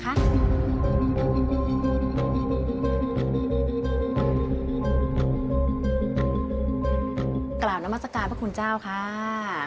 กล่าวนามัศกาลพระคุณเจ้าค่ะ